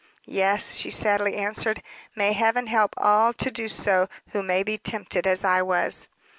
"Yes," she sadly answered. "May heaven help all to do so who may be tempted as I was."